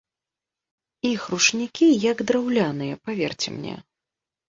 Іх ручнікі як драўляныя, паверце мне.